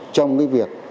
trong cái việc